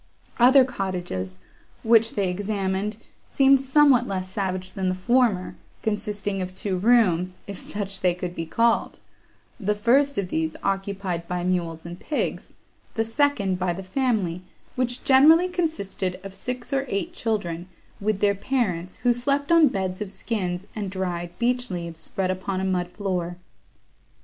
Other cottages, which they examined, seemed somewhat less savage than the former, consisting of two rooms, if such they could be called; the first of these occupied by mules and pigs, the second by the family, which generally consisted of six or eight children, with their parents, who slept on beds of skins and dried beech leaves, spread upon a mud floor.